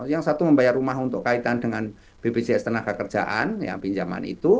yang satu membayar rumah untuk kaitan dengan bpjs tenaga kerjaan pinjaman itu